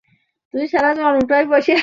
এখন না, গ্রাছি - হ্যা, এখনি!